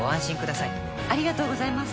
ありがとうございます。